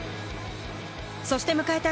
そして迎えた